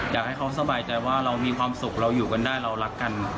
อยากให้เขาสบายใจว่าเรามีความสุขเราอยู่กันได้เรารักกัน